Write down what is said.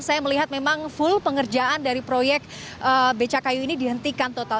saya melihat memang full pengerjaan dari proyek becakayu ini dihentikan total